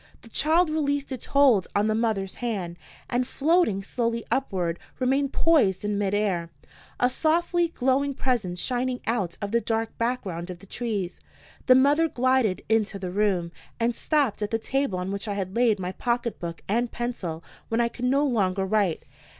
The child released its hold on the mother's hand, and floating slowly upward, remained poised in midair a softly glowing presence shining out of the dark background of the trees. The mother glided into the room, and stopped at the table on which I had laid my pocket book and pencil when I could no longer write.